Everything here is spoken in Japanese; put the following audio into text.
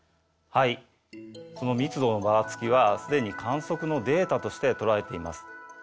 はいその「密度のばらつき」はすでに観測のデータとしてとらえています。